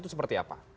itu seperti apa